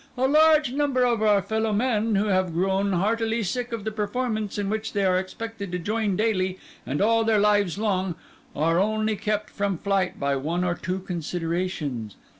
A large number of our fellowmen, who have grown heartily sick of the performance in which they are expected to join daily and all their lives long, are only kept from flight by one or two considerations.